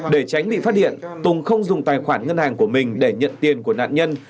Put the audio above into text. để tránh bị phát hiện tùng không dùng tài khoản ngân hàng của mình để nhận tiền của nạn nhân